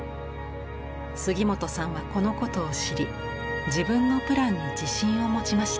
杉本さんはこのことを知り自分のプランに自信を持ちました。